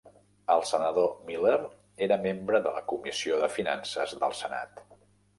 El senador Miller era membre de la Comissió de Finances del Senat.